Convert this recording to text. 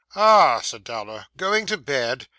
'Ah!' said Dowler, 'going to bed?